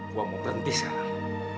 gue mau berhenti sekarang